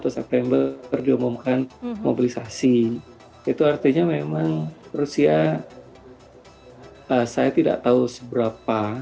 september terdengar bukan mobilisasi itu artinya memang rusia saya tidak tahu seberapa